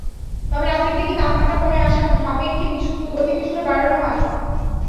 তবে রাতের দিকে তাপমাত্রা কমে আসা সাপেক্ষে গতি কিছুটা বাড়ানো হয়।